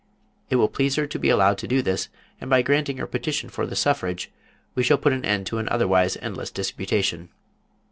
It will please her to be allowed to do this, and by granting her petition for the suffrage we shall put an end to an otherwise endless disputation.